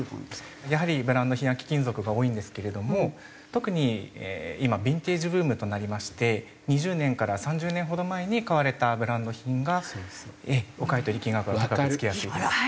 やはりブランド品や貴金属が多いんですけれども特に今ヴィンテージブームとなりまして２０年から３０年ほど前に買われたブランド品がお買い取り金額が高く付きやすいです。